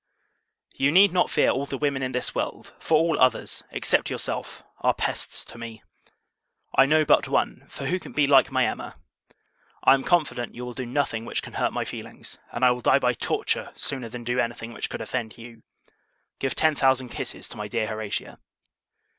You need not fear all the women in this world; for all others, except yourself, are pests to me. I know but one; for, who can be like my Emma? I am confident, you will do nothing which can hurt my feelings; and I will die by torture, sooner than do any thing which could offend you. Give ten thousand kisses to my dear Horatia.